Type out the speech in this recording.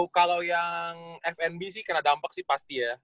kalau yang fnb sih kena dampak sih pasti ya